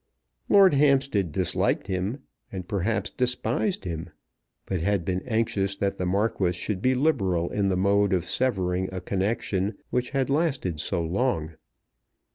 Lord Hampstead disliked him and, perhaps, despised him, but had been anxious that the Marquis should be liberal in the mode of severing a connection which had lasted so long.